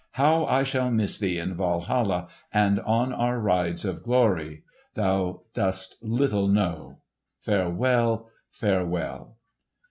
How I shall miss thee in Walhalla, and on our rides of glory, thou dost little know. Farewell! farewell!"